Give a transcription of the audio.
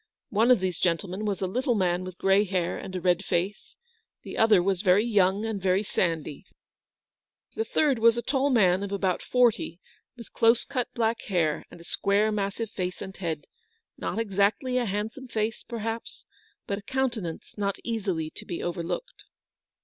One of these gentlemen was a little man with grey hair and a red face ; the other was very young and very sandy ; the third was a tall man of about forty, with close cut black hair, and a square massive face and head, not exactly a handsome face, perhaps, but a countenance not easily to be overlooked.